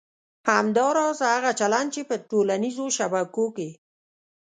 همداراز هغه چلند چې په ټولنیزو شبکو کې